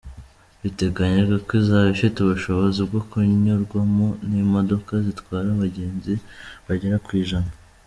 Biteganyijwe ko izaba ifite ubushobozi bwo kunyurwamo n’imodoka zitwara abagenzi bagera ku ijana.